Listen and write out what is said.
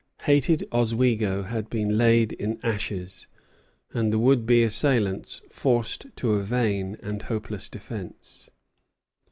Hated Oswego had been laid in ashes, and the would be assailants forced to a vain and hopeless defence.